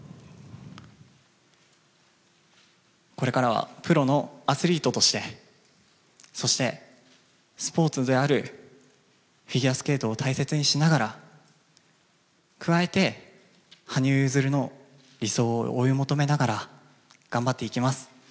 これからは、プロのアスリートとして、そしてスポーツであるフィギュアスケートを大切にしながら、加えて、羽生結弦の理想を追い求めながら頑張っていきます。